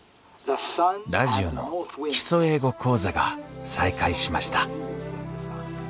ラジオの「基礎英語講座」が再開しました